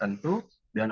dengan perusahaan tertentu